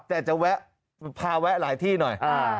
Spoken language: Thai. แต่จะแวะพาแวะหลายที่หน่อย